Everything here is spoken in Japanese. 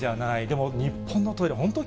でも、日本のトイレ、本当